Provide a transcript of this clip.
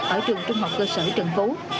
ở trường trung học cơ sở trần phú